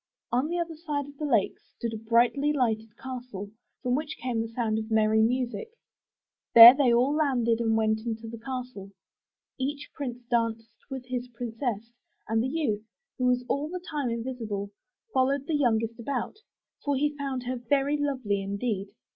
On the other side of the lake stood a brightly lighted castle, from which came the sound of merry music. There they all landed and went into the castle. Each prince danced with his princess; and the youth, who was all the time invisible, followed the youngest princess about, for he found her very lovely indeed.